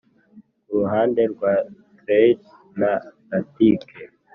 kuruhande rwa trellis na latike,